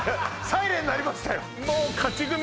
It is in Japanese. サイレン鳴りましたよ